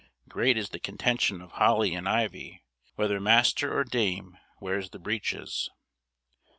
Great is the contention of Holly and Ivy, whether master or dame wears the breeches.